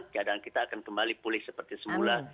keadaan kita akan kembali pulih seperti semula